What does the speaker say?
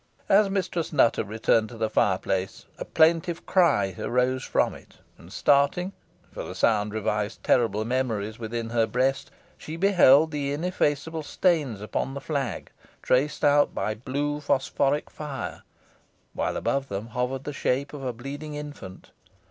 As Mistress Nutter returned to the fireplace, a plaintive cry arose from it, and starting for the sound revived terrible memories within her breast she beheld the ineffaceable stains upon the flag traced out by blue phosphoric fire, while above them hovered the shape of a bleeding infant.